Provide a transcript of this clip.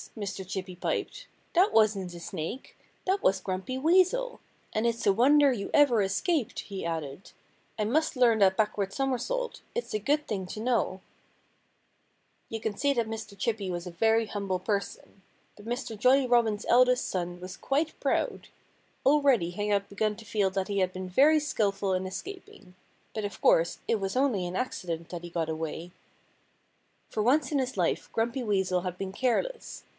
Mr. Chippy piped. "That wasn't a snake! That was Grumpy Weasel.... And it's a wonder you ever escaped," he added. "I must learn that backward somersault. It's a good thing to know." [Illustration: Master Robin Escapes From Grumpy Weasel. (Page 9)] You can see that Mr. Chippy was a very humble person. But Mr. Jolly Robin's eldest son was quite proud. Already he began to feel that he had been very skilful in escaping. But of course it was only an accident that he got away. For once in his life Grumpy Weasel had been careless.